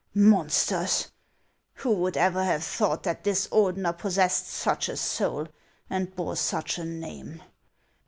Monsters ! Who would ever have thought that this Ordener possessed such a soul and bore such a name